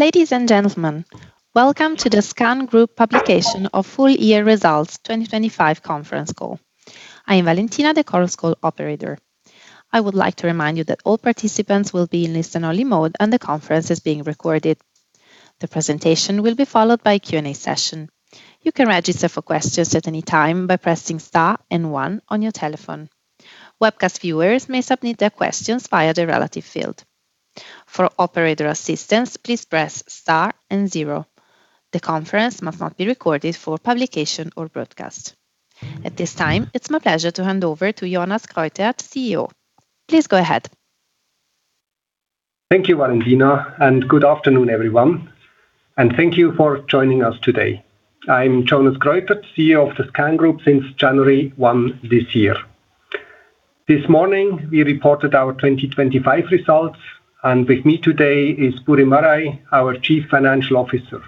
Ladies and gentlemen. Welcome to the SKAN Group publication of full year results 2025 conference call. I am Valentina, the call operator. I would like to remind you that all participants will be in listen only mode and the conference is being recorded. The presentation will be followed by a Q&A session. You can register for questions at any time by pressing star one on your telephone. Webcast viewers may submit their questions via the relative field. For operator assistance, please press star zero. The conference must not be recorded for publication or broadcast. At this time, it's my pleasure to hand over to Thomas Huber, CEO. Please go ahead. Thank you, Valentina, and good afternoon, everyone. Thank, you for joining us today. I'm Thomas Huber, CEO of the SKAN Group since January one this year. This morning we reported our 2025 results and with me today is Burim Maraj, our Chief Financial Officer.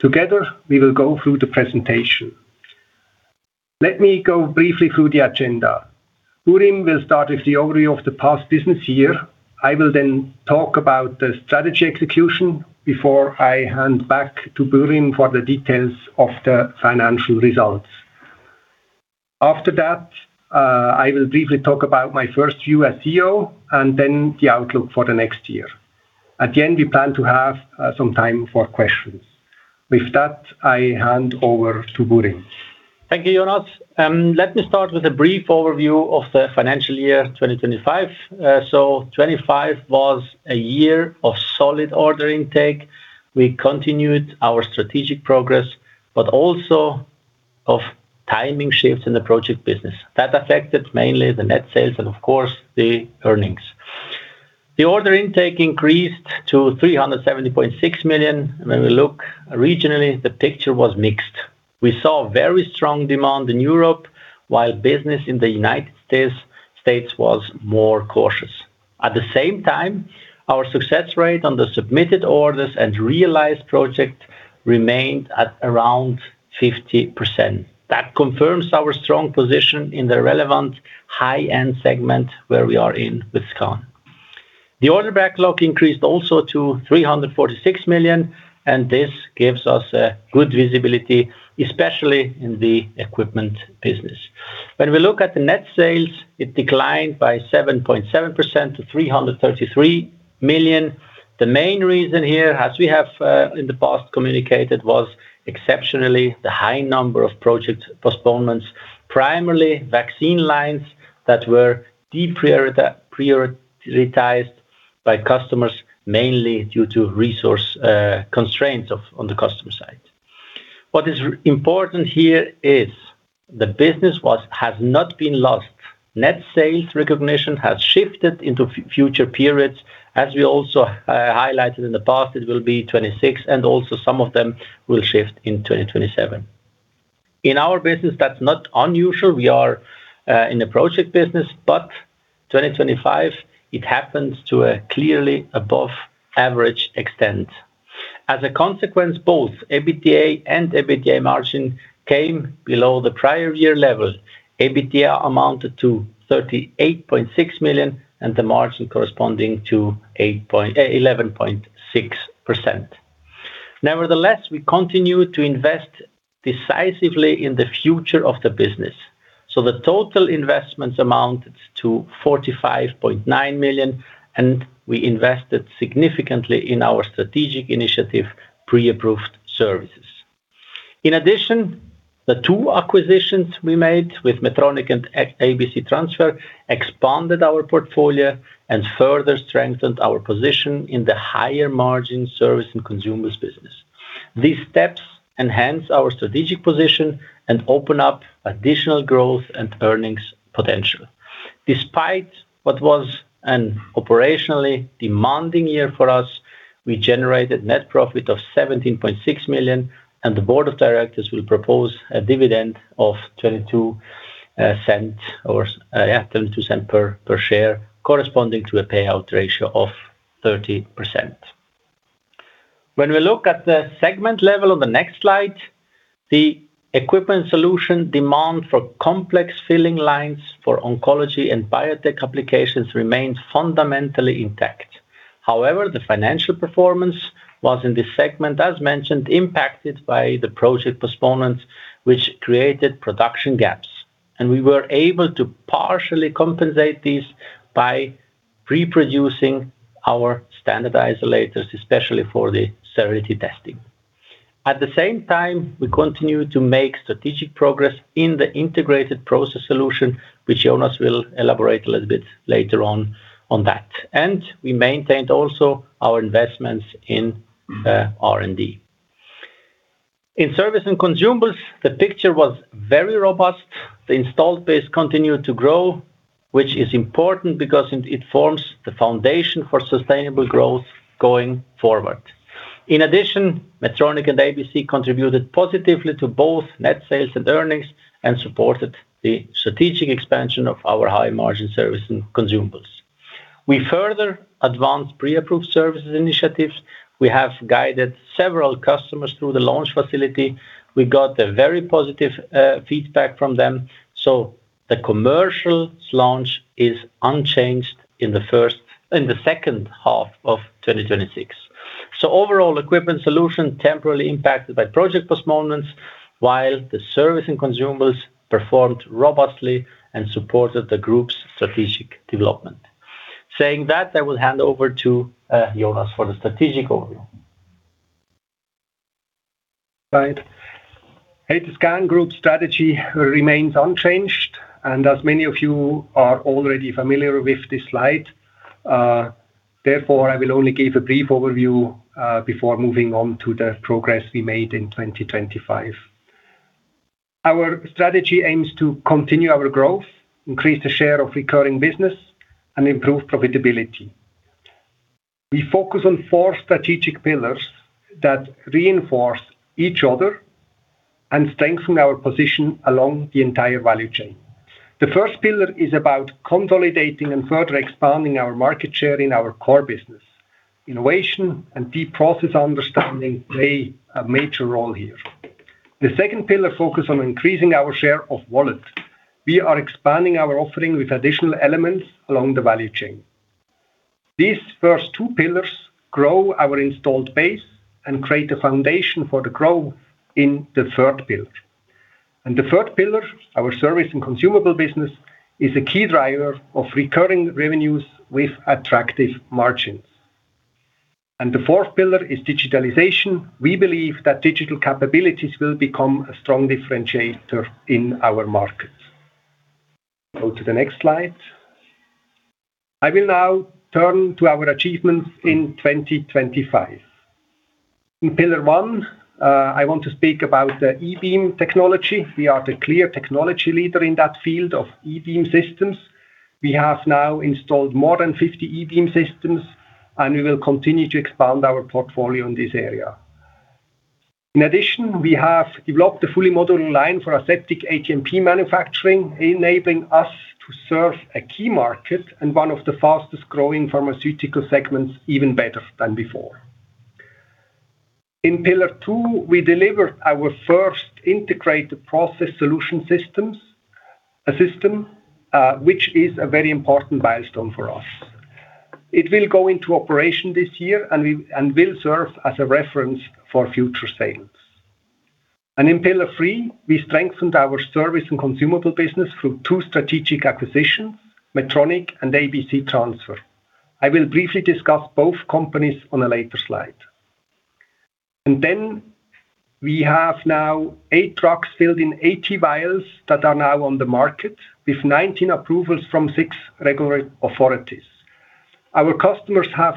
Together we will go through the presentation. Let me go briefly through the agenda. Burim will start with the overview of the past business year. I will then talk about the strategy execution before I hand back to Burim for the details of the financial results. After that, I will briefly talk about my first year as CEO and then the outlook for the next year. At the end, we plan to have some time for questions. With that, I hand over to Burim. Thank you, Thomas. Let me start with a brief overview of the financial year 2025. 2025 was a year of solid order intake. We continued our strategic progress, but also of timing shifts in the project business. That affected mainly the net sales and of course, the earnings. The order intake increased to 370.6 million. When we look regionally, the picture was mixed. We saw very strong demand in Europe while business in the United States was more cautious. At the same time, our success rate on the submitted orders and realized projects remained at around 50%. That confirms our strong position in the relevant high-end segment where we are in with SKAN. The order backlog increased also to 346 million, and this gives us a good visibility, especially in the equipment business. When we look at the net sales, it declined by 7.7% to 333 million. The main reason here, as we have in the past communicated, was exceptionally the high number of project postponements, primarily vaccine lines that were deprioritized by customers, mainly due to resource constraints on the customer side. What is important here is the business has not been lost. Net sales recognition has shifted into future periods. As we also highlighted in the past, it will be 2026 and some of them will shift in 2027. In our business, that's not unusual. We are in the project business, but 2025, it happens to a clearly above average extent. As a consequence, both EBITDA and EBITDA margin came below the prior year level. EBITDA amounted to 38.6 million and the margin corresponding to 11.6%. Nevertheless, we continue to invest decisively in the future of the business. The total investments amounted to 45.9 million, and we invested significantly in our strategic initiative, Pre-Approved Services. In addition, the two acquisitions we made with Metronik and ABC Transfer expanded our portfolio and further strengthened our position in the higher margin service and consumables business. These steps enhance our strategic position and open up additional growth and earnings potential. Despite what was an operationally demanding year for us, we generated net profit of 17.6 million and the board of directors will propose a dividend of 22 cents per share corresponding to a payout ratio of 30%. When we look at the segment level on the next slide, the Equipment and Solutions demand for complex filling lines for oncology and biotech applications remains fundamentally intact. However, the financial performance was in this segment, as mentioned, impacted by the project postponements, which created production gaps. We were able to partially compensate these by preproducing our standardized isolators, especially for the sterility testing. At the same time, we continue to make strategic progress in the Integrated Process Solutions, which Thomas will elaborate a little bit later on that. We maintained also our investments in R&D. In Services and Consumables, the picture was very robust. The installed base continued to grow, which is important because it forms the foundation for sustainable growth going forward. In addition, Metronik and ABC contributed positively to both net sales and earnings and supported the strategic expansion of our high-margin Services and Consumables. We further advanced Pre-Approved Services initiatives. We have guided several customers through the launch facility. We got a very positive feedback from them. The commercial launch is unchanged in the second half of 2026. Overall Equipment and Solutions were temporarily impacted by project postponements while the Services and Consumables performed robustly and supported the Group's strategic development. Saying that, I will hand over to Thomas for the strategic overview. Right. SKAN Group strategy remains unchanged, and as many of you are already familiar with this slide, therefore, I will only give a brief overview before moving on to the progress we made in 2025. Our strategy aims to continue our growth, increase the share of recurring business, and improve profitability. We focus on four strategic pillars that reinforce each other and strengthen our position along the entire value chain. The first pillar is about consolidating and further expanding our market share in our core business. Innovation and deep process understanding play a major role here. The second pillar focus on increasing our share of wallet. We are expanding our offering with additional elements along the value chain. These first two pillars grow our installed base and create a foundation for the growth in the third pillar. The third pillar, our service and consumable business, is a key driver of recurring revenues with attractive margins. The fourth pillar is digitalization. We believe that digital capabilities will become a strong differentiator in our markets. Go to the next slide. I will now turn to our achievements in 2025. In pillar one, I want to speak about the E-beam technology. We are the clear technology leader in that field of E-beam systems. We have now installed more than 50 E-beam systems, and we will continue to expand our portfolio in this area. In addition, we have developed a fully modular line for aseptic ATMP manufacturing, enabling us to serve a key market and one of the fastest-growing pharmaceutical segments even better than before. In pillar two, we delivered our first integrated process solution system, which is a very important milestone for us. It will go into operation this year and will serve as a reference for future sales. In pillar three, we strengthened our service and consumable business through two strategic acquisitions, Metronik and ABC Transfer. I will briefly discuss both companies on a later slide. Then we have now eight drugs filled in RTU vials that are now on the market, with 19 approvals from six regulatory authorities. Our customers have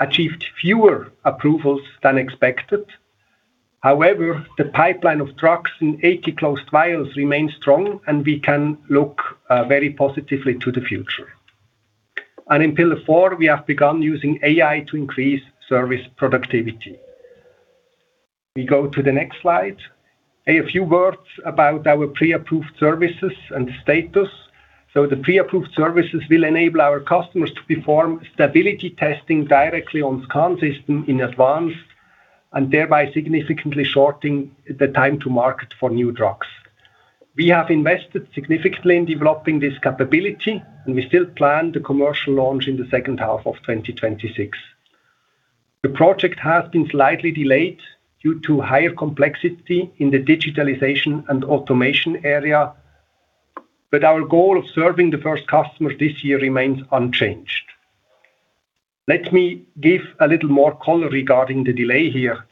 achieved fewer approvals than expected. However, the pipeline of drugs in RTU closed vials remains strong, and we can look very positively to the future. In pillar four, we have begun using AI to increase service productivity. We go to the next slide. A few words about our Pre-Approved Services and status. The Pre-Approved Services will enable our customers to perform stability testing directly on the SKAN system in advance, thereby significantly shortening the time to market for new drugs. We have invested significantly in developing this capability, and we still plan the commercial launch in the second half of 2026. The project has been slightly delayed due to higher complexity in the digitalization and automation area, but our goal of serving the first customer this year remains unchanged. Let me give a little more color regarding the delay here.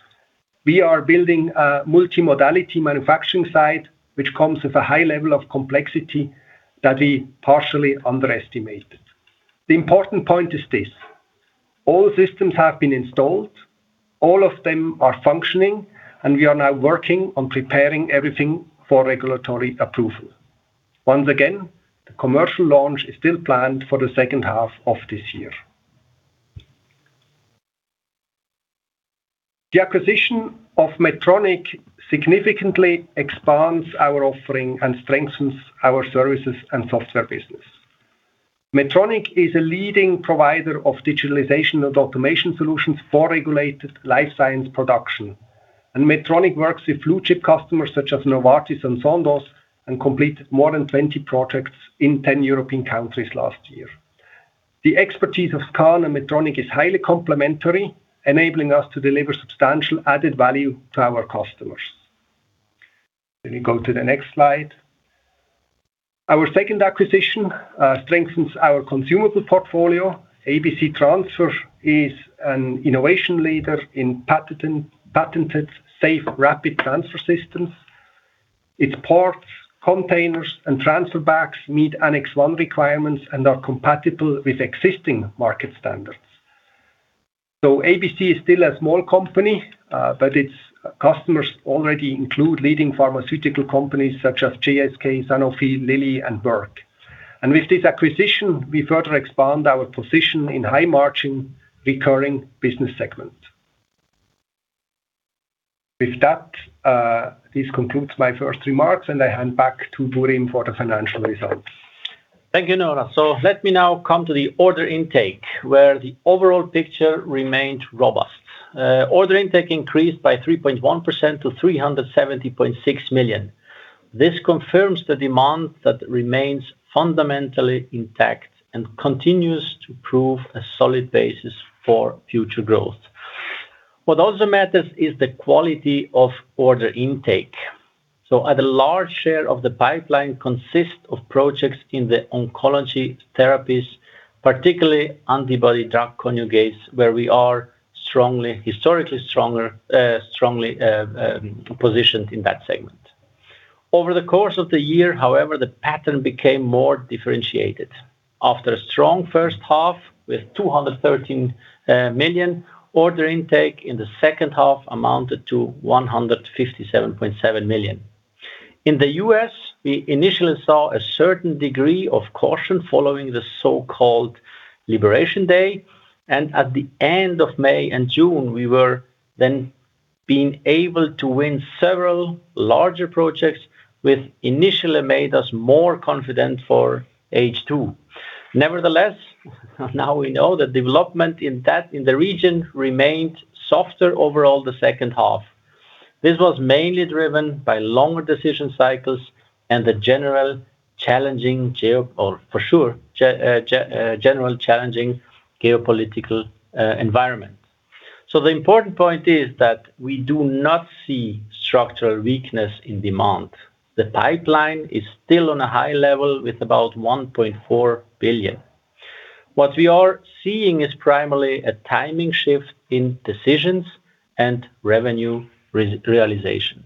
We are building a multimodality manufacturing site, which comes with a high level of complexity that we partially underestimated. The important point is this, all systems have been installed, all of them are functioning, and we are now working on preparing everything for regulatory approval. Once again, the commercial launch is still planned for the second half of this year. The acquisition of Metronik significantly expands our offering and strengthens our services and software business. Metronik is a leading provider of digitalization and automation solutions for regulated life science production. Metronik works with blue-chip customers such as Novartis and Sandoz, and completed more than 20 projects in 10 European countries last year. The expertise of SKAN and Metronik is highly complementary, enabling us to deliver substantial added value to our customers. Let me go to the next slide. Our second acquisition strengthens our consumable portfolio. ABC Transfer is an innovation leader in patented, safe, rapid transfer systems. Its ports, containers, and transfer bags meet Annex 1 requirements and are compatible with existing market standards. ABC is still a small company, but its customers already include leading pharmaceutical companies such as GSK, Sanofi, Lilly, and Merck. With this acquisition, we further expand our position in high-margin recurring business segment. With that, this concludes my first remarks, and I hand back to Burim for the financial results. Thank you, Thomas. Let me now come to the order intake, where the overall picture remained robust. Order intake increased by 3.1% to 370.6 million. This confirms the demand that remains fundamentally intact and continues to prove a solid basis for future growth. What also matters is the quality of order intake. As a large share of the pipeline consists of projects in the oncology therapies, particularly antibody-drug conjugates, where we are strongly, historically stronger, strongly, positioned in that segment. Over the course of the year, however, the pattern became more differentiated. After a strong first half with 213 million order intake in the second half amounted to 157.7 million. In the U.S., we initially saw a certain degree of caution following the so-called Liberation Day. At the end of May and June, we were then being able to win several larger projects, which initially made us more confident for H2. Nevertheless, now we know the development in the region remained softer overall the second half. This was mainly driven by longer decision cycles and the general challenging geopolitical environment. The important point is that we do not see structural weakness in demand. The pipeline is still on a high level with about 1.4 billion. What we are seeing is primarily a timing shift in decisions and revenue realization.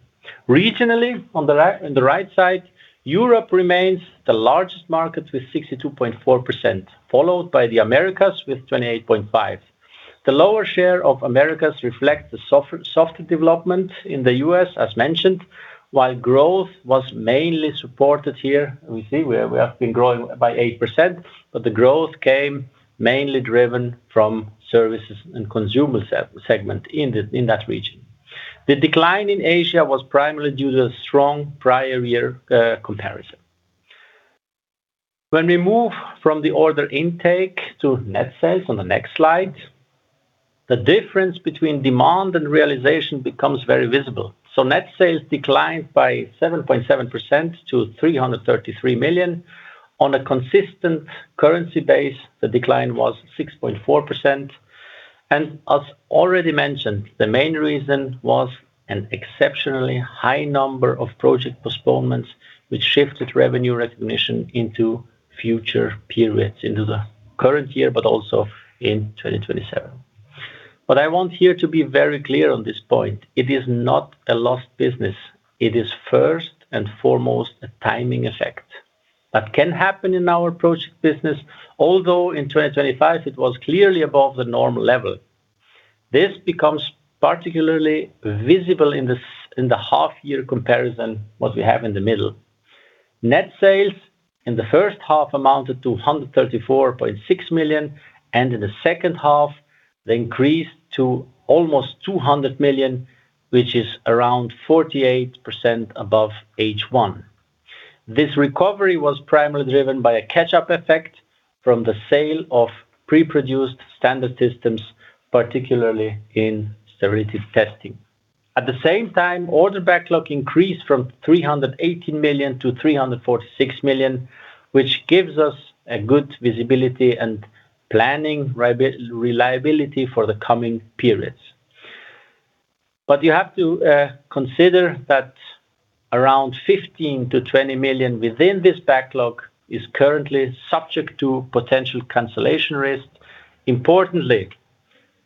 Regionally, on the right side, Europe remains the largest market with 62.4%, followed by the Americas with 28.5%. The lower share of Americas reflects the softer development in the U.S., as mentioned, while growth was mainly supported here. We see we have been growing by 8%, but the growth came mainly driven from services and consumables segment in that region. The decline in Asia was primarily due to strong prior-year comparison. When we move from the order intake to net sales on the next slide, the difference between demand and realization becomes very visible. Net sales declined by 7.7% to 333 million. On a consistent currency base, the decline was 6.4%. As already mentioned, the main reason was an exceptionally high number of project postponements, which shifted revenue recognition into future periods, into the current year, but also in 2027. I want here to be very clear on this point. It is not a lost business. It is first and foremost a timing effect that can happen in our project business, although in 2025 it was clearly above the normal level. This becomes particularly visible in the half year comparison, what we have in the middle. Net sales in the first half amounted to 134.6 million, and in the second half they increased to almost 200 million, which is around 48% above H1. This recovery was primarily driven by a catch-up effect from the sale of pre-produced standard systems, particularly in sterility testing. At the same time, order backlog increased from 318 -346 million, which gives us a good visibility and planning reliability for the coming periods. You have to consider that around 15 - 20 million within this backlog is currently subject to potential cancellation risk. Importantly,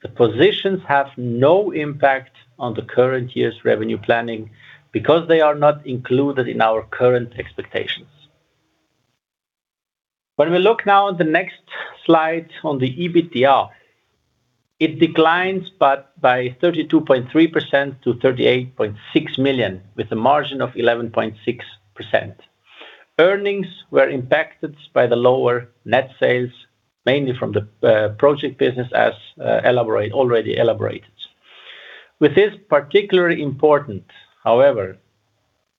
the positions have no impact on the current year's revenue planning because they are not included in our current expectations. When we look now at the next slide on the EBITDA, it declines by 32.3% to 38.6 million, with a margin of 11.6%. Earnings were impacted by the lower net sales, mainly from the project business as already elaborated. With this, particularly important, however,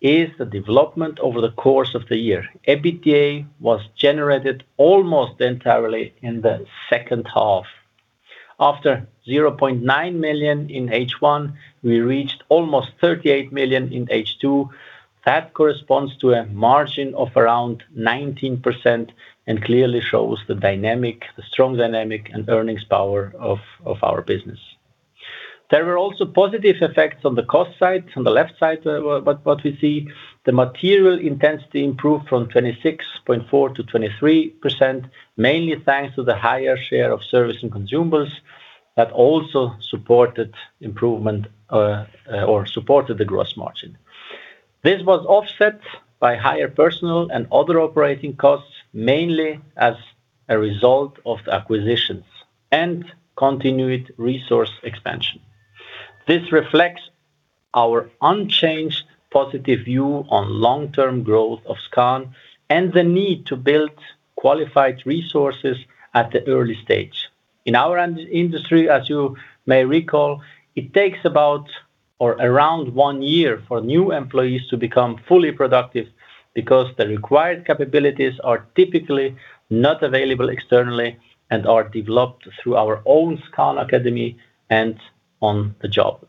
is the development over the course of the year. EBITDA was generated almost entirely in the second half. After 0.9 million in H1, we reached almost 38 million in H2. That corresponds to a margin of around 19% and clearly shows the strong dynamic and earnings power of our business. There were also positive effects on the cost side. On the left side, what we see, the material intensity improved from 26.4% to 23%, mainly thanks to the higher share of service and consumables that also supported the gross margin. This was offset by higher personal and other operating costs, mainly as a result of the acquisitions and continued resource expansion. This reflects our unchanged positive view on long-term growth of SKAN and the need to build qualified resources at the early stage. In our industry, as you may recall, it takes about or around one year for new employees to become fully productive. Because the required capabilities are typically not available externally and are developed through our own SKAN Academy and on the job.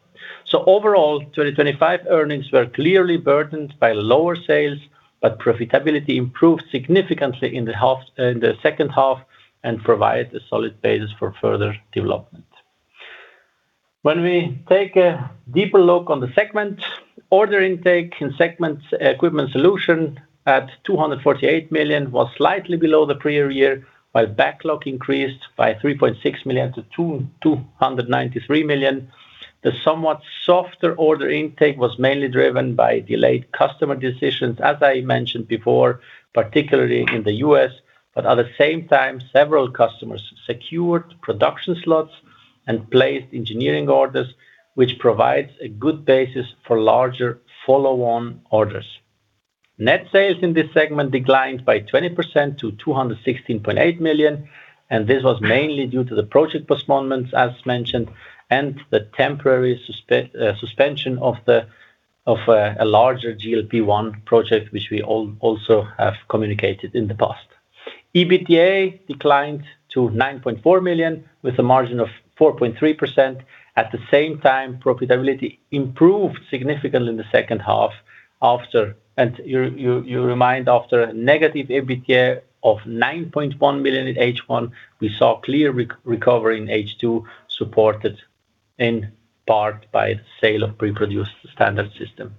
Overall, 2025 earnings were clearly burdened by lower sales, but profitability improved significantly in the second half and provide a solid basis for further development. When we take a deeper look on the segment, order intake in the segment Equipment and Solutions at 248 million was slightly below the prior year, while backlog increased by 3.6- 293 million. The somewhat softer order intake was mainly driven by delayed customer decisions, as I mentioned before, particularly in the U.S. Several customers secured production slots and placed engineering orders, which provides a good basis for larger follow-on orders. Net sales in this segment declined by 20% to 216.8 million, and this was mainly due to the project postponements as mentioned, and the temporary suspension of a larger GLP-1 project which we also have communicated in the past. EBITDA declined to 9.4 million, with a margin of 4.3%. At the same time, profitability improved significantly in the second half. After a negative EBITDA of 9.1 million in H1, we saw clear recovery in H2, supported in part by the sale of pre-produced standard systems.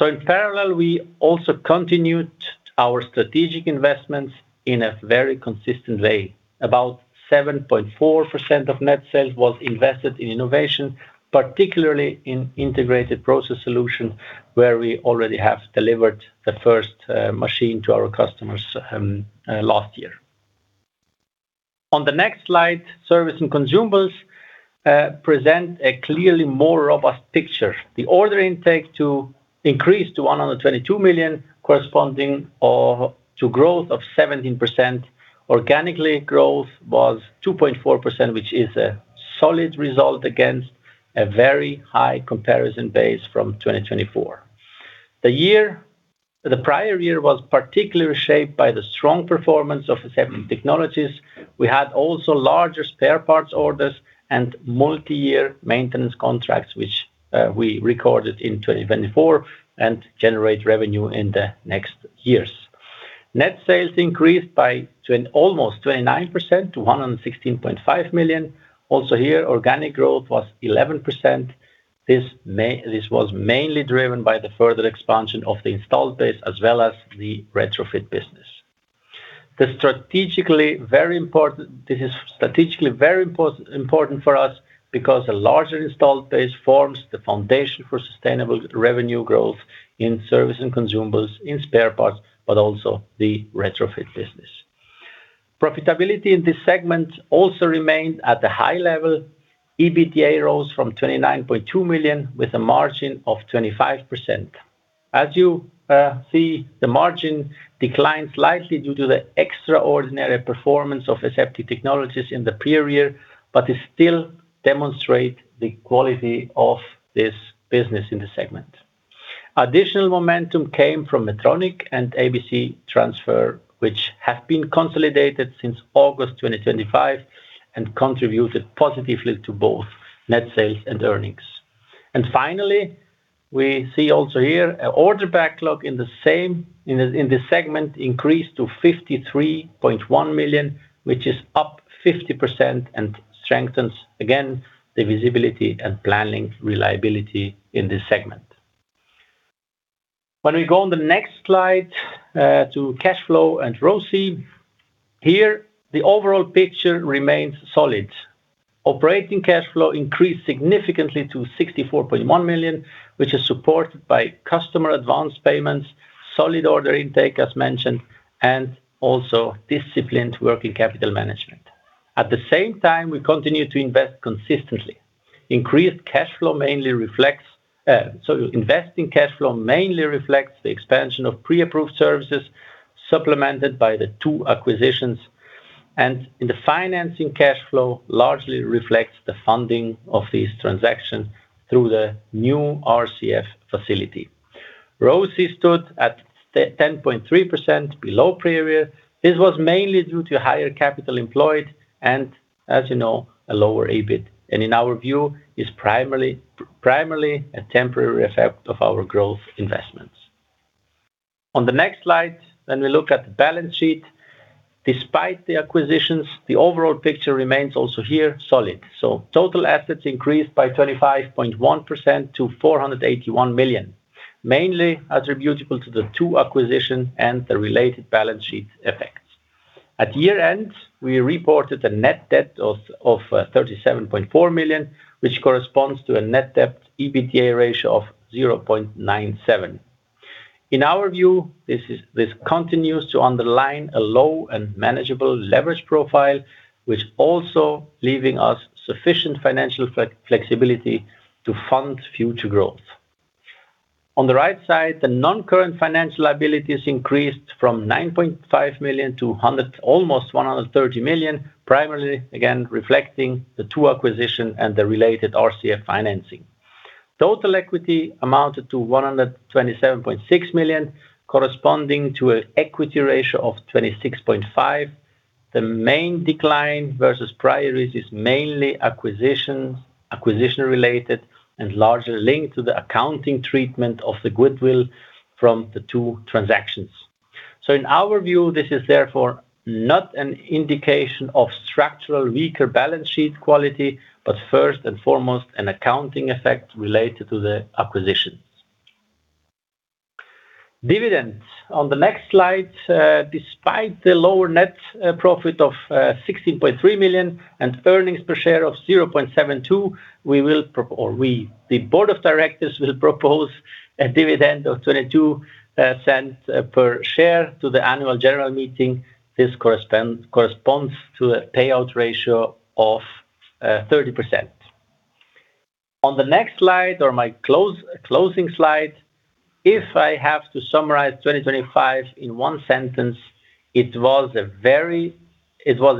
In parallel, we also continued our strategic investments in a very consistent way. About 7.4% of net sales was invested in innovation, particularly in Integrated Process Solutions, where we already have delivered the first machine to our customers last year. On the next slide, Services and Consumables present a clearly more robust picture. The order intake increased to 122 million corresponding to a growth of 17%. Organic growth was 2.4%, which is a solid result against a very high comparison base from 2024. The prior year was particularly shaped by the strong performance of Aseptic Technologies. We had also larger spare parts orders and multi-year maintenance contracts, which we recorded in 2024 and generate revenue in the next years. Net sales increased by almost 29% to 116.5 million. Also here, organic growth was 11%. This was mainly driven by the further expansion of the installed base as well as the retrofit business. This is strategically very important for us because a larger installed base forms the foundation for sustainable revenue growth in Services and Consumables in spare parts, but also the retrofit business. Profitability in this segment also remained at a high level. EBITDA rose from 29.2 million with a margin of 25%. As you see, the margin declined slightly due to the extraordinary performance of Aseptic Technologies in the prior year, but it still demonstrate the quality of this business in the segment. Additional momentum came from Metronik and ABC Transfer, which have been consolidated since August 2025 and contributed positively to both net sales and earnings. Finally, we see also here order backlog in this segment increased to 53.1 million, which is up 50% and strengthens again the visibility and planning reliability in this segment. When we go on the next slide to cash flow and ROCE, here the overall picture remains solid. Operating cash flow increased significantly to 64.1 million, which is supported by customer advance payments, solid order intake as mentioned, and also disciplined working capital management. At the same time, we continue to invest consistently. Investing cash flow mainly reflects the expansion of Pre-Approved Services supplemented by the two acquisitions. In the financing cash flow largely reflects the funding of these transactions through the new RCF facility. ROCE stood at 10.3% below prior year. This was mainly due to higher capital employed and, as you know, a lower EBIT. In our view is primarily a temporary effect of our growth investments. On the next slide, when we look at the balance sheet, despite the acquisitions, the overall picture remains also here solid. Total assets increased by 25.1% to 481 million, mainly attributable to the two acquisitions and the related balance sheet effects. At year-end, we reported a net debt of 37.4 million, which corresponds to a net debt EBITDA ratio of 0.97. In our view, this continues to underline a low and manageable leverage profile, which also leaving us sufficient financial flexibility to fund future growth. On the right side, the non-current financial liabilities increased from 9.5 million to almost 130 million, primarily again reflecting the two acquisitions and the related RCF financing. Total equity amounted to 127.6 million, corresponding to an equity ratio of 26.5%. The main decline versus prior is mainly acquisition-related and largely linked to the accounting treatment of the goodwill from the two transactions. In our view, this is therefore not an indication of structurally weaker balance sheet quality, but first and foremost an accounting effect related to the acquisitions. Dividends. On the next slide, despite the lower net profit of 16.3 million and earnings per share of 0.72, we, the Board of Directors, will propose a dividend of 0.22 per share to the Annual General Meeting. This corresponds to a payout ratio of 30%. On the next slide or my closing slide, if I have to summarize 2025 in one sentence, it was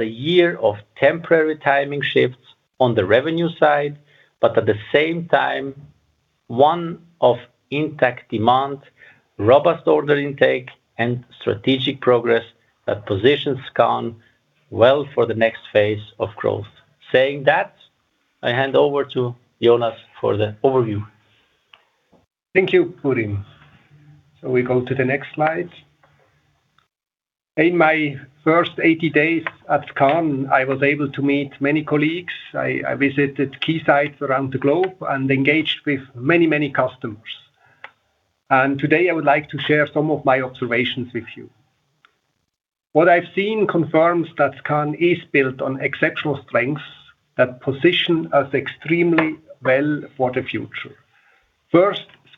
a year of temporary timing shifts on the revenue side, but at the same time, one of intact demand, robust order intake, and strategic progress that positions SKAN well for the next phase of growth. Saying that, I hand over to Thomas Huber for the overview. Thank you, Burim. We go to the next slide. In my first 80 days at SKAN, I was able to meet many colleagues. I visited key sites around the globe and engaged with many, many customers. Today I would like to share some of my observations with you. What I've seen confirms that SKAN is built on exceptional strengths that position us extremely well for the future.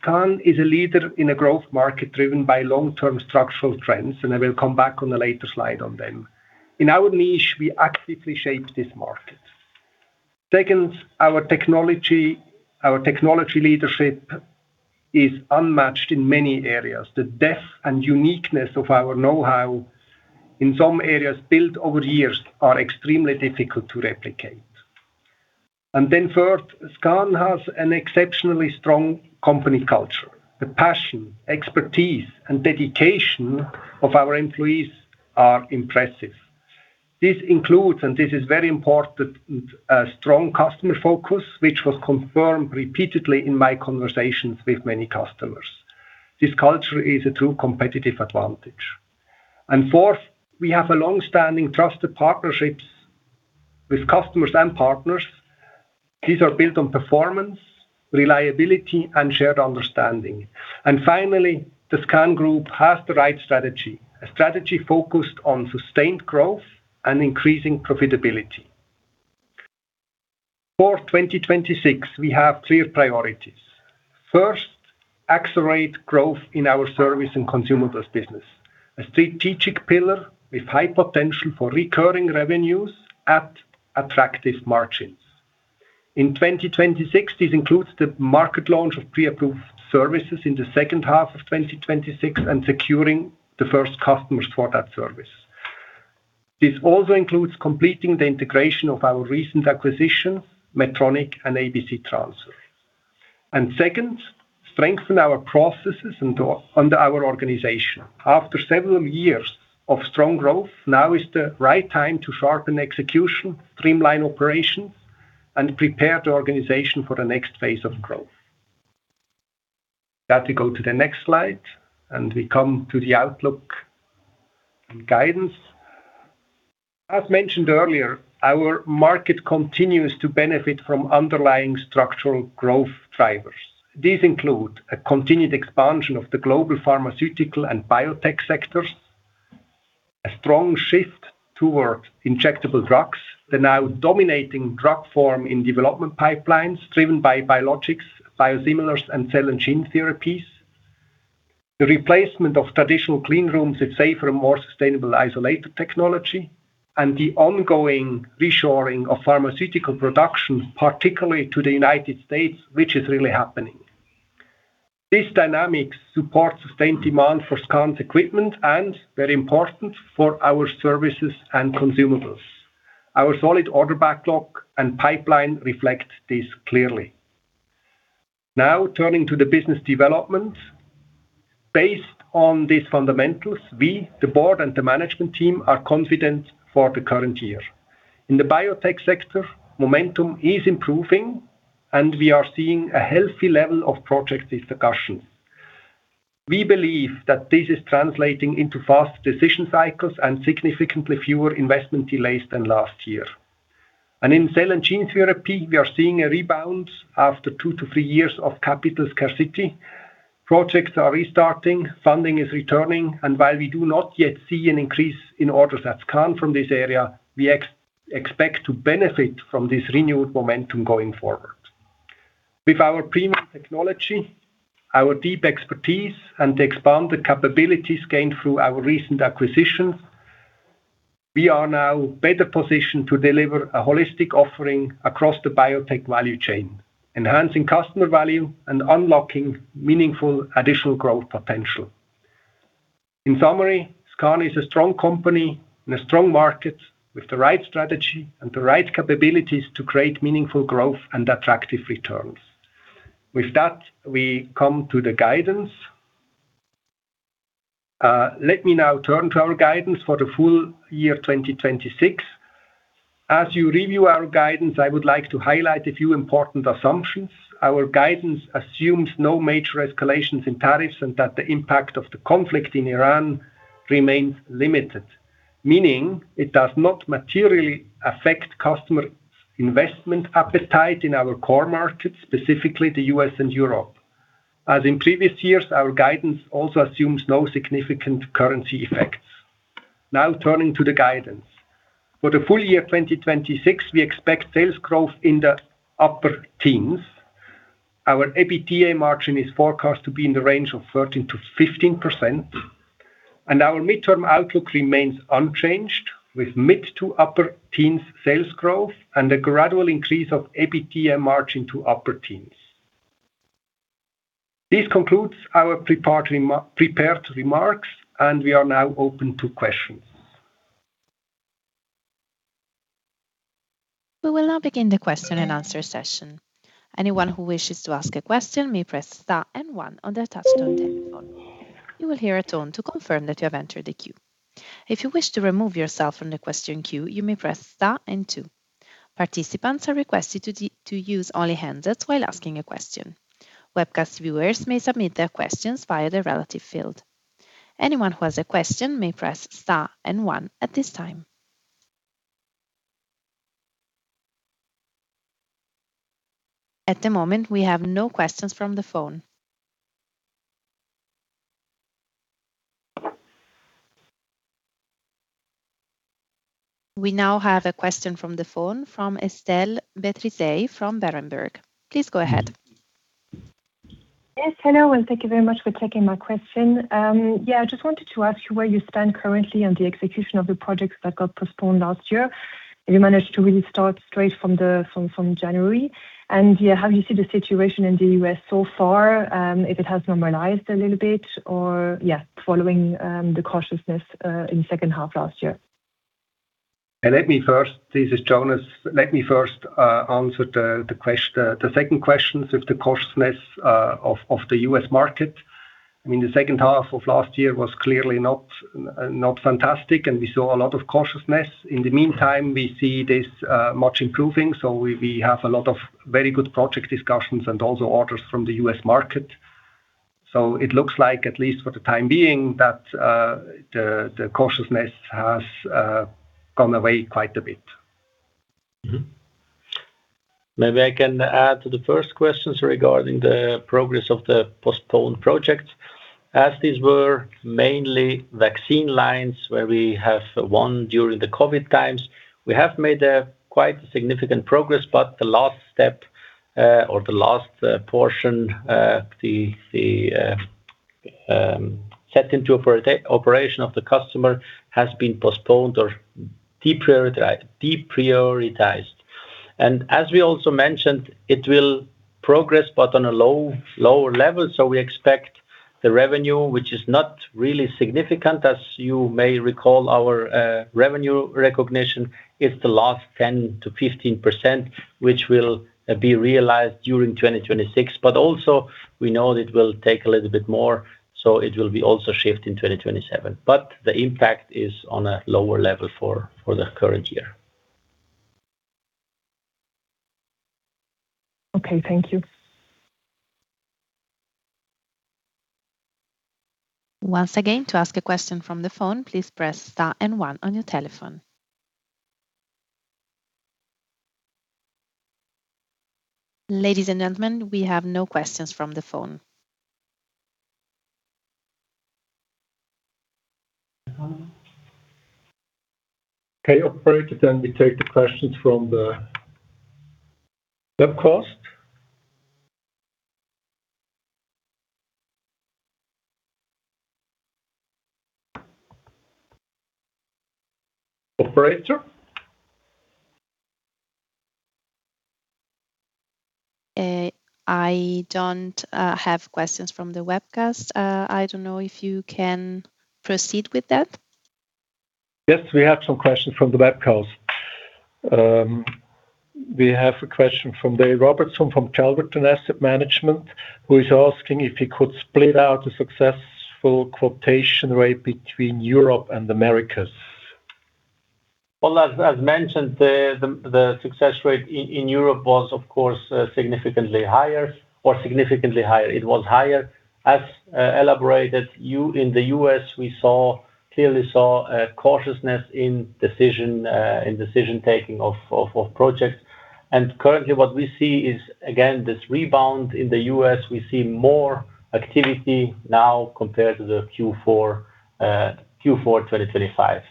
First, SKAN is a leader in a growth market driven by long-term structural trends, and I will come back on a later slide. In our niche, we actively shape this market. Second, our technology leadership is unmatched in many areas. The depth and uniqueness of our know-how in some areas built over years are extremely difficult to replicate. First, SKAN has an exceptionally strong company culture. The passion, expertise, and dedication of our employees are impressive. This includes, and this is very important, a strong customer focus, which was confirmed repeatedly in my conversations with many customers. This culture is a true competitive advantage. Fourth, we have a long-standing trusted partnerships with customers and partners. These are built on performance, reliability, and shared understanding. Finally, the SKAN Group has the right strategy, a strategy focused on sustained growth and increasing profitability. For 2026, we have clear priorities. First, accelerate growth in our Services and Consumables business, a strategic pillar with high potential for recurring revenues at attractive margins. In 2026, this includes the market launch of Pre-Approved Services in the second half of 2026 and securing the first customers for that service. This also includes completing the integration of our recent acquisitions, Metronik and ABC Transfer. Second, strengthen our processes under our organization. After several years of strong growth, now is the right time to sharpen execution, streamline operations, and prepare the organization for the next phase of growth. Now to go to the next slide, and we come to the outlook and guidance. As mentioned earlier, our market continues to benefit from underlying structural growth drivers. These include a continued expansion of the global pharmaceutical and biotech sectors, a strong shift towards injectable drugs. They're now dominating drug form in development pipelines driven by biologics, biosimilars, and cell and gene therapies. The replacement of traditional clean rooms with safer and more sustainable isolator technology, and the ongoing reshoring of pharmaceutical production, particularly to the United States, which is really happening. These dynamics support sustained demand for SKAN's equipment and very important for our services and consumables. Our solid order backlog and pipeline reflect this clearly. Now, turning to the business development. Based on these fundamentals, we, the board and the management team, are confident for the current year. In the biotech sector, momentum is improving, and we are seeing a healthy level of project discussions. We believe that this is translating into faster decision cycles and significantly fewer investment delays than last year. In cell and gene therapy, we are seeing a rebound after two -three years of capital scarcity. Projects are restarting, funding is returning, and while we do not yet see an increase in orders at SKAN from this area, we expect to benefit from this renewed momentum going forward. With our premium technology, our deep expertise, and the expanded capabilities gained through our recent acquisitions, we are now better positioned to deliver a holistic offering across the biotech value chain, enhancing customer value and unlocking meaningful additional growth potential. In summary, SKAN is a strong company in a strong market with the right strategy and the right capabilities to create meaningful growth and attractive returns. With that, we come to the guidance. Let me now turn to our guidance for the full year 2026. As you review our guidance, I would like to highlight a few important assumptions. Our guidance assumes no major escalations in tariffs and that the impact of the conflict in Iran remains limited, meaning it does not materially affect customer investment appetite in our core markets, specifically the U.S. and Europe. As in previous years, our guidance also assumes no significant currency effects. Now turning to the guidance. For the full year 2026, we expect sales growth in the upper teens. Our EBITDA margin is forecast to be in the range of 13%-15%, and our midterm outlook remains unchanged with mid to upper teens sales growth and a gradual increase of EBITDA margin to upper teens. This concludes our prepared remarks, and we are now open to questions. We will now begin the question and answer session. Anyone who wishes to ask a question may press star and one on their touchtone telephone. You will hear a tone to confirm that you have entered the queue. If you wish to remove yourself from the question queue, you may press star and two. Participants are requested to use only handsets while asking a question. Webcast viewers may submit their questions via the relevant field. Anyone who has a question may press star and one at this time. At the moment, we have no questions from the phone. We now have a question from the phone from Estelle Beneteau from Berenberg. Please go ahead. Yes, hello, and thank you very much for taking my question. Yeah, I just wanted to ask you where you stand currently on the execution of the projects that got postponed last year. Have you managed to really start straight from January? Yeah, how do you see the situation in the U.S. so far, if it has normalized a little bit or yeah, following the cautiousness in second half last year? This is Thomas. Let me first answer the second question on the cautiousness of the U.S. market. I mean, the second half of last year was clearly not fantastic, and we saw a lot of cautiousness. In the meantime, we see this much improving, so we have a lot of very good project discussions and also orders from the U.S. market. It looks like, at least for the time being, that the cautiousness has gone away quite a bit. Maybe I can add to the first questions regarding the progress of the postponed projects. As these were mainly vaccine lines where we have won during the COVID times, we have made a quite significant progress, but the last step or the last portion, the set into operation of the customer has been postponed or deprioritized. As we also mentioned, it will progress but on a lower level. We expect the revenue, which is not really significant. As you may recall, our revenue recognition is the last 10%-15%, which will be realized during 2026. Also, we know it will take a little bit more, so it will be also shift in 2027. The impact is on a lower level for the current year. Okay. Thank you. Once again, to ask a question from the phone, please press star and one on your telephone. Ladies and gentlemen, we have no questions from the phone. Okay, operator, then we take the questions from the webcast. Operator? I don't have questions from the webcast. I don't know if you can proceed with that. Yes, we have some questions from the webcast. We have a question from Dave Robertson from Chilton Asset Management, who is asking if he could split out the successful quotation rate between Europe and the Americas. Well, as mentioned, the success rate in Europe was, of course, significantly higher. It was higher. As elaborated, in the US, we clearly saw a cautiousness in decision-making of projects. Currently, what we see is, again, this rebound in the US. We see more activity now compared to the Q4 2025.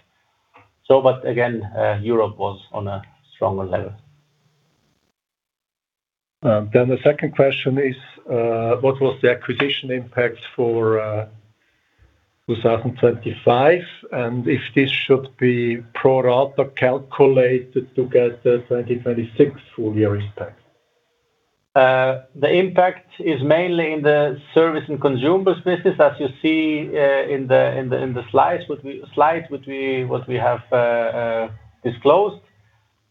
Europe was on a stronger level. The second question is, what was the acquisition impact for 2025, and if this should be pro rata calculated to get the 2026 full year impact? The impact is mainly in the services and consumables business, as you see, in the slides which we have disclosed.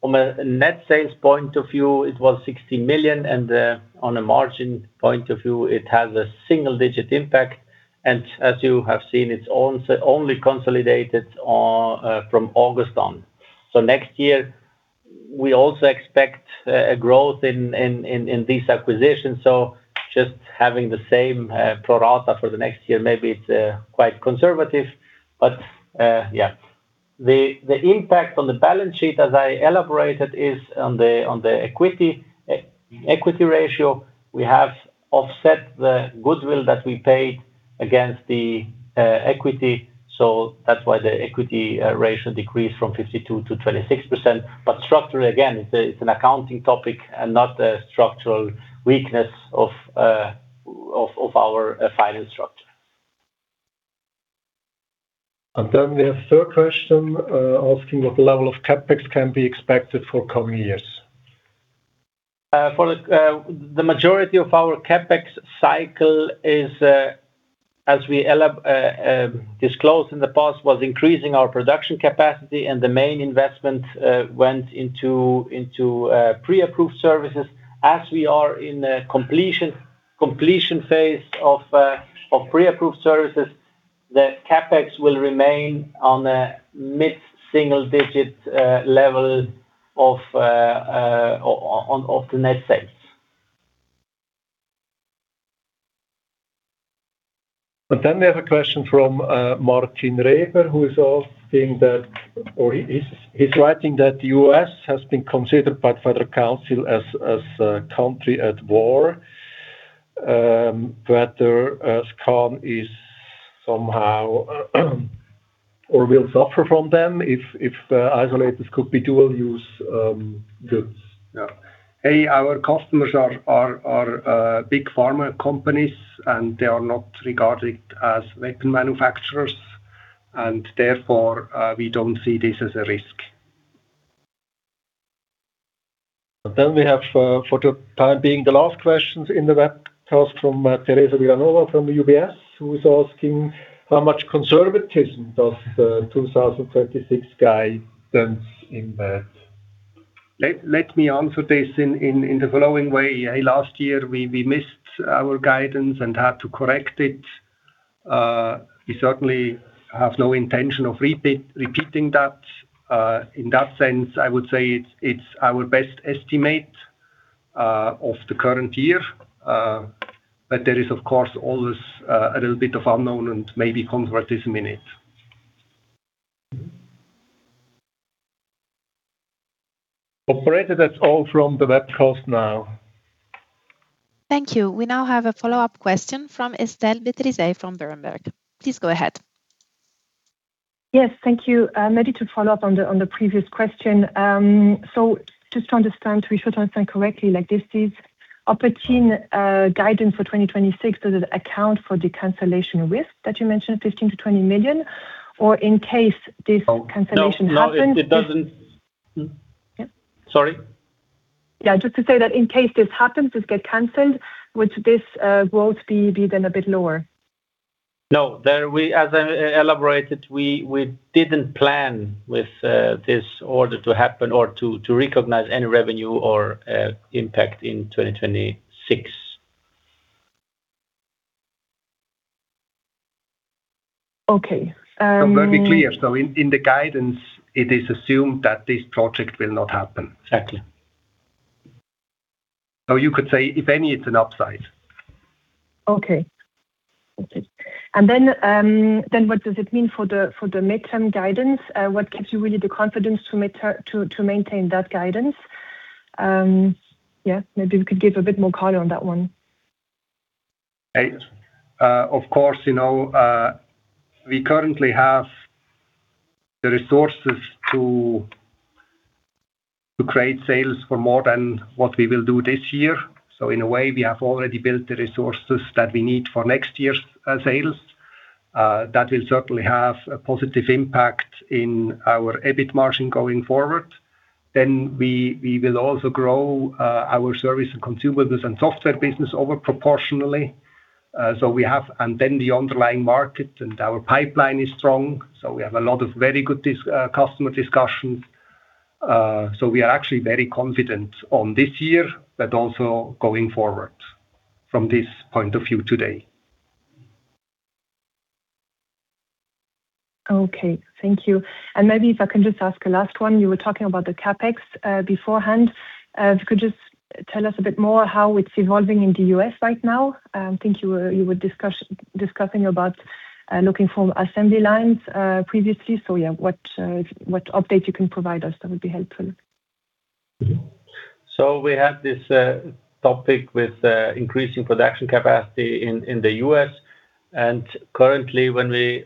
From a net sales point of view, it was 60 million, and on a margin point of view it has a single-digit impact. As you have seen, it's only consolidated from August on. Next year we also expect a growth in this acquisition. Just having the same pro rata for the next year, maybe it's quite conservative. Yeah. The impact on the balance sheet, as I elaborated, is on the equity. Equity ratio, we have offset the goodwill that we paid against the equity. That's why the equity ratio decreased from 52% - 26%. Structurally, again, it's an accounting topic and not a structural weakness of our finance structure. We have third question asking what the level of CapEx can be expected for coming years. For the majority of our CapEx cycle, as we disclosed in the past, was increasing our production capacity and the main investment went into Pre-Approved Services. As we are in the completion phase of Pre-Approved Services, the CapEx will remain on a mid-single-digit level of the net sales. We have a question from Martin Reber, who is writing that the U.S. has been considered by Federal Council as a country at war. Whether SKAN is somehow or will suffer from them if isolators could be dual-use goods. Yeah. Our customers are big pharma companies, and they are not regarded as weapon manufacturers. Therefore, we don't see this as a risk. We have, for the time being, the last questions in the webcast from Teresa Vilanova from UBS, who's asking how much conservatism does the 2026 guidance in that. Let me answer this in the following way. Last year we missed our guidance and had to correct it. We certainly have no intention of repeating that. In that sense, I would say it's our best estimate of the current year. But there is of course always a little bit of unknown and maybe conservatism in it. Operator, that's all from the webcast now. Thank you. We now have a follow-up question from Estelle Beneteau from Berenberg. Please go ahead. Yes, thank you. Maybe to follow up on the previous question. So just to be sure to understand correctly, like this is opportune guidance for 2026. Does it account for the cancellation risk that you mentioned, 15 - 20 million, or in case this cancellation happens...... No, it doesn't. Yeah. Sorry? Yeah, just to say that in case this happens, this get canceled, would this growth be then a bit lower? No. As I elaborated, we didn't plan with this order to happen or to recognize any revenue or impact in 2026. Okay. Let me clear. In the guidance, it is assumed that this project will not happen. Exactly. You could say, if any, it's an upside. Okay. What does it mean for the midterm guidance? What gives you really the confidence to maintain that guidance? Yeah. Maybe we could give a bit more color on that one. Of course, you know, we currently have the resources to create sales for more than what we will do this year. In a way, we have already built the resources that we need for next year's sales. That will certainly have a positive impact in our EBIT margin going forward. We will also grow our Services & Consumables and software business over proportionally. The underlying market and our pipeline is strong, so we have a lot of very good customer discussions. We are actually very confident on this year, but also going forward from this point of view today. Okay. Thank you. Maybe if I can just ask a last one. You were talking about the CapEx beforehand. If you could just tell us a bit more how it's evolving in the U.S. right now. I think you were discussing about looking for assembly lines previously. Yeah, what update you can provide us, that would be helpful. We had this topic with increasing production capacity in the U.S. Currently, when we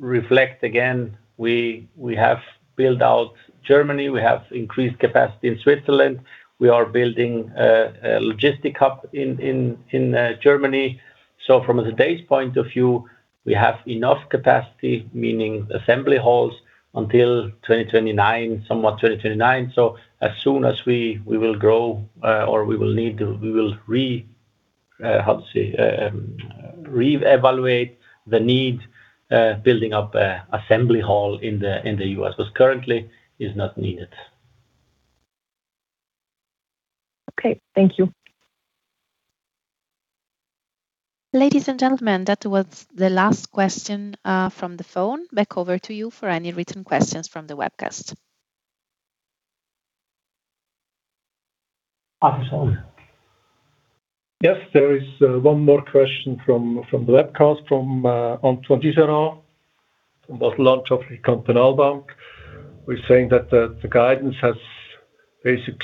reflect again, we have built out Germany, we have increased capacity in Switzerland. We are building a logistic hub in Germany. From today's point of view, we have enough capacity, meaning assembly halls until 2029, somewhat 2029. As soon as we will grow or we will need to re-evaluate the need building up an assembly hall in the U.S., 'cause currently it is not needed. Okay. Thank you. Ladies and gentlemen, that was the last question from the phone. Back over to you for any written questions from the webcast. Arthur Sohn? Yes, there is one more question from the webcast from Antoine Giger about launch of Zürcher Kantonalbank.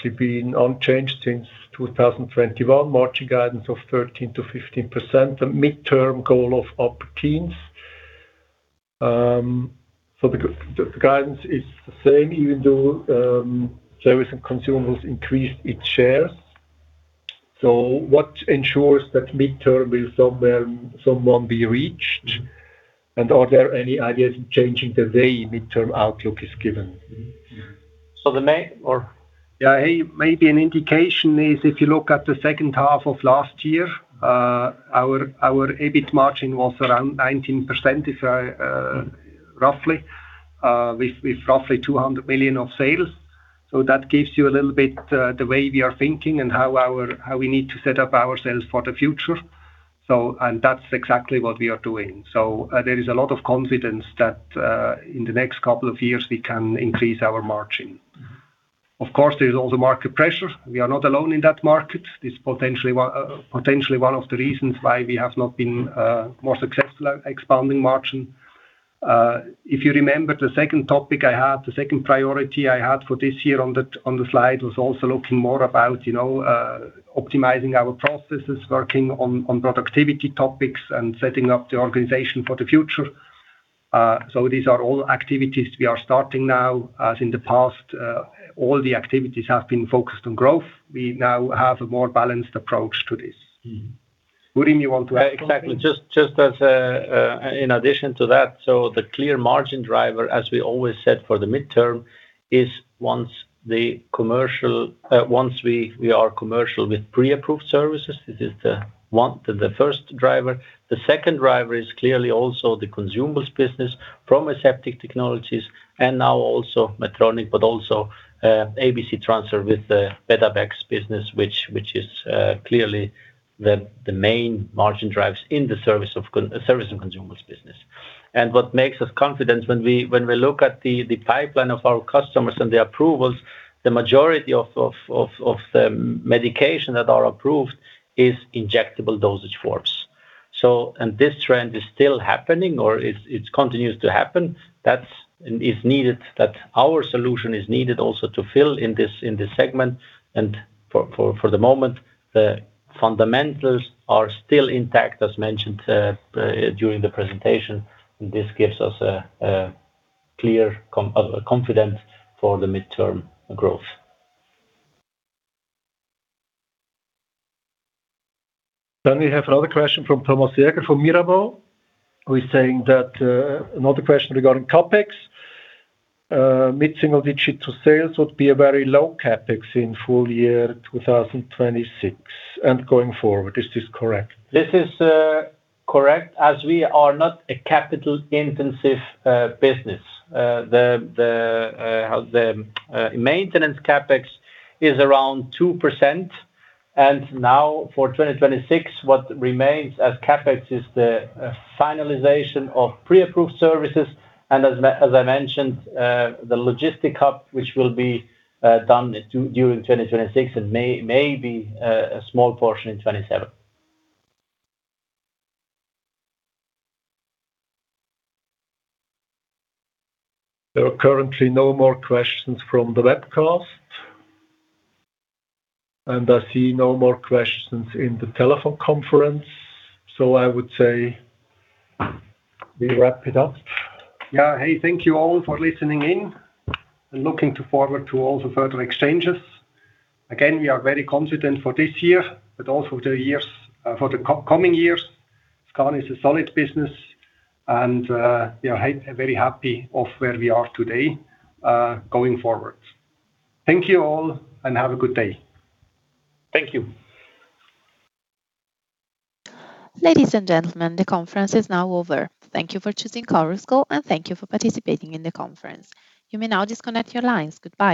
Maybe an indication is if you look at the second half of last year, our EBIT margin was around 19%, roughly with roughly 200 million of sales. That gives you a little bit the way we are thinking and how we need to set up ourselves for the future. That's exactly what we are doing. There is a lot of confidence that in the next couple of years we can increase our margin. Of course, there's also market pressure. We are not alone in that market. This is potentially one of the reasons why we have not been more successful at expanding margin. If you remember the second topic I had, the second priority I had for this year on the slide was also looking more about, you know, optimizing our processes, working on productivity topics and setting up the organization for the future. These are all activities we are starting now. As in the past, all the activities have been focused on growth. We now have a more balanced approach to this. Burim, you want to add something? Exactly. Just as an addition to that, the clear margin driver, as we always said for the midterm, is once we are commercial with Pre-Approved Services. This is the one, the first driver. The second driver is clearly also the consumables business, Aseptic Technologies, and now also Metronik, but also ABC Transfer with the BetaBag business, which is clearly the main margin drivers in the Services & Consumables business. What makes us confident when we look at the pipeline of our customers and the approvals, the majority of the medications that are approved is injectable dosage forms. This trend is still happening, or it continues to happen. That our solution is needed also to fill in this segment. For the moment, the fundamentals are still intact, as mentioned during the presentation. This gives us a clear confidence for the mid-term growth. We have another question from Thomas Seghers from Mirabaud, who is saying that another question regarding CapEx. Mid-single-digit% to sales would be a very low CapEx in full year 2026 and going forward. Is this correct? This is correct, as we are not a capital-intensive business. Maintenance CapEx is around 2%. Now for 2026, what remains as CapEx is the finalization of Pre-Approved Services, and as I mentioned, the logistic hub, which will be done during 2026 and may be a small portion in 2027. There are currently no more questions from the webcast. I see no more questions in the telephone conference. I would say we wrap it up. Hey, thank you all for listening in and looking forward to all the further exchanges. Again, we are very confident for this year, but also the years for the coming years. SKAN is a solid business and, you know, very happy with where we are today, going forward. Thank you all, and have a good day. Thank you. Ladies and gentlemen, the conference is now over. Thank you for choosing Chorus Call, and thank you for participating in the conference. You may now disconnect your lines. Goodbye.